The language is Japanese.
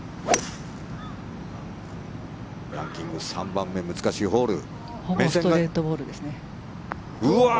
ランキング３番目難しいホール。